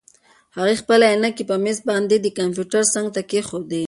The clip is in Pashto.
هغه خپلې عینکې په مېز باندې د کمپیوټر څنګ ته کېښودې.